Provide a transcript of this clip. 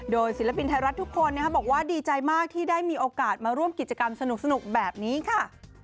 โดยศิลปินไทยรัฐทุกคนบอกว่าดีใจมากที่ได้มีโอกาสมาร่วมกิจกรรมสนุกแบบนี้ค่ะ